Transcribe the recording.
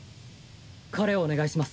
彼をお願いします。